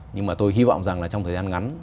nhưng mà tôi hy vọng rằng là trong thời gian ngắn